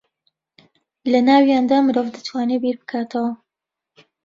لە ناویاندا مرۆڤ دەتوانێ بیر بکاتەوە